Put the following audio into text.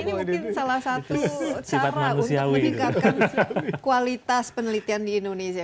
ini mungkin salah satu cara untuk meningkatkan kualitas penelitian di indonesia